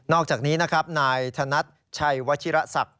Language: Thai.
อกจากนี้นะครับนายธนัดชัยวชิระศักดิ์